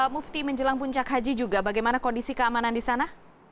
mufti menjelang puncak haji juga bagaimana kondisi keamanan di sana